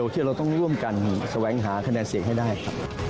ที่เราต้องร่วมกันแสวงหาคะแนนเสียงให้ได้ครับ